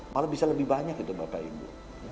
malah bisa lebih banyak itu bapak ibu